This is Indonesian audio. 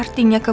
oh dong ya gitu